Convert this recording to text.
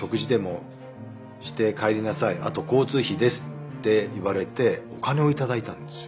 あと交通費です」って言われてお金を頂いたんです。